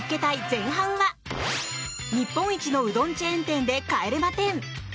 前半は、日本一のうどんチェーン店で帰れま１０。